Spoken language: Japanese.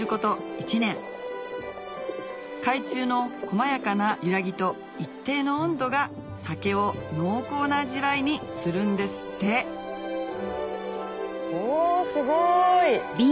１年海中の細やかな揺らぎと一定の温度が酒を濃厚な味わいにするんですっておすごい。